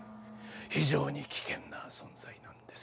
非常に危険な存在なんです。